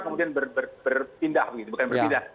kemudian berpindah begitu bukan berpindah